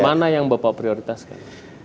mana yang bapak prioritaskan